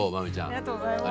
ありがとうございます。